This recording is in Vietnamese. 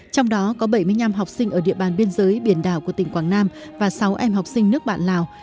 trong đó có bảy mươi năm học sinh ở địa bàn biên giới biển đảo của tỉnh quảng nam và sáu em học sinh nước bạn lào